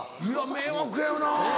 迷惑やろな。